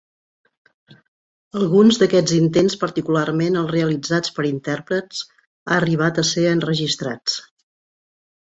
Alguns d'aquests intents, particularment els realitzats per intèrprets, ha arribat a ser enregistrats.